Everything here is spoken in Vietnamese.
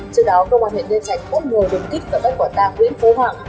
trước đó công an nguyễn nhân trạch bỗng ngồi đột kích và bắt quả tàng nguyễn phố hoạng